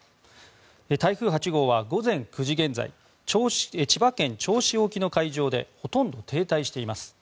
台風８号は午前９時現在千葉県銚子沖の海上でほとんど停滞しています。